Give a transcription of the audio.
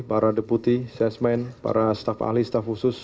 para deputi sesmen para staf ahli staf khusus